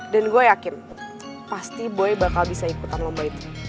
dan gue yakin pasti boy bakal bisa ikutan lomba itu